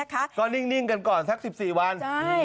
ก็นิ่งกันก่อนสัก๑๔วัน